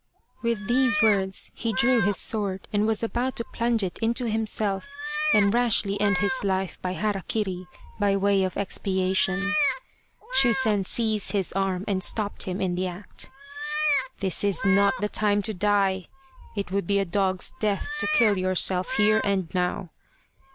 With these words he drew his sword and was about to plunge it into himself and rashly end his life by hara kiri, by way of expiation. Shusen seized his arm and stopped him in the act. " This is not the time to die ! It would be a dog's death to kill yourself here and now.